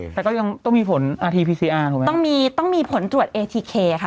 แต่ก็ยังต้องมีผลอาทีพีซีอาร์ถูกไหมต้องมีต้องมีผลตรวจเอทีเคค่ะ